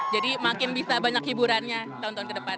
jadi makin bisa banyak hiburannya tahun tahun ke depan